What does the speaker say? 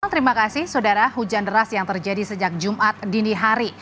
terima kasih saudara hujan deras yang terjadi sejak jumat dini hari